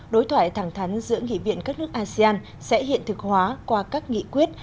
đối thoại thẳng thắn giữa nghị viện các nước asean sẽ hiện thực hóa qua các nghị quyết